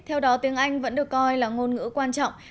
theo đó tiếng anh vẫn được coi là ngôn ngữ quan trọng